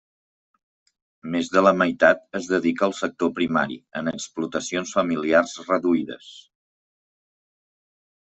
Més de la meitat es dedica al sector primari en explotacions familiars reduïdes.